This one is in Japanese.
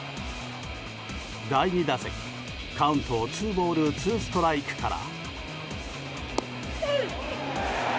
第２打席、カウントツーボールツーストライクから。